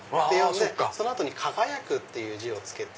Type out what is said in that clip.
その後に「輝く」っていう字を付けて。